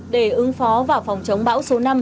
để ứng phó vào phòng chống bão số năm